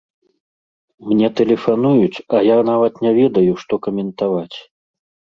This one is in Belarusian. Мне тэлефануюць, а я нават не ведаю, што каментаваць.